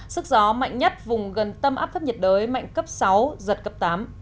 sức gió mạnh nhất vùng gần tâm áp thấp nhiệt đới mạnh cấp sáu giật cấp tám